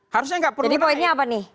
jadi poinnya apa nih